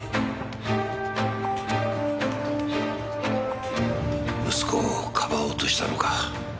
息子を庇おうとしたのか。